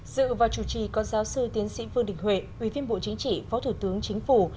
dự và chủ trì có giáo sư tiến sĩ phương đình huệ ủy viên bộ chính trị phó thủ tướng chính phủ